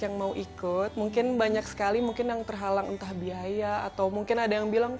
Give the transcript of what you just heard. yang mau ikut mungkin banyak sekali mungkin yang terhalang entah biaya atau mungkin ada yang bilang